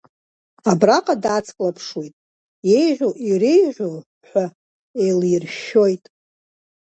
Абраҟа дацклаԥшуеит, еиӷьу иреиӷьу ҳәа еилиршәшәоит.